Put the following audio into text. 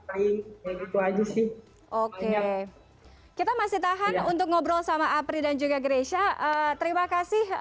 baik gitu aja sih oke kita masih tahan untuk ngobrol sama apri dan juga grecia terima kasih